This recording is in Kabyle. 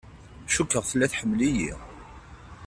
Cukkeɣ tella tḥemmel-iyi.